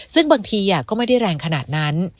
ซึ่งบางทีก็ไม่ได้แรงขนาดนั้น